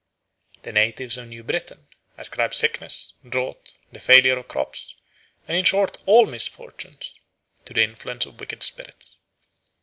The natives of New Britain ascribe sickness, drought, the failure of crops, and in short all misfortunes, to the influence of wicked spirits.